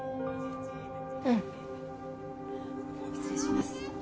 うん失礼します